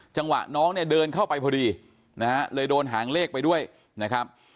จังหวะน้องเนี่ยเดินเข้าไปพอดีนะฮะเลยโดนหางเลขไปด้วยนะครับ